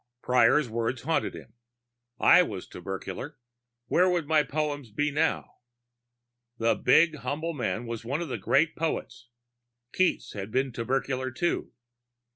Prior's words haunted him. I was tubercular ... where would my poems be now? The big humble man was one of the great poets. Keats had been tubercular too.